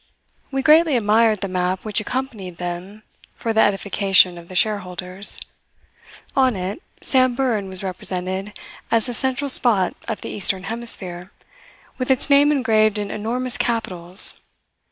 We greatly admired the map which accompanied them for the edification of the shareholders. On it Samburan was represented as the central spot of the Eastern Hemisphere with its name engraved in enormous capitals.